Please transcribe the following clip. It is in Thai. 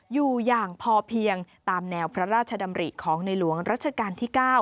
อยู่อย่างพอเพียงตามแนวพระราชดำริของในหลวงรัชกาลที่๙